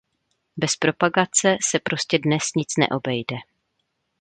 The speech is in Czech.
Bez propagace se prostě dnes nic neobejde.